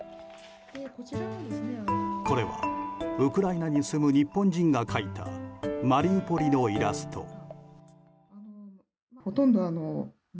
これは、ウクライナに住む日本人が描いたマリウポリのイラスト。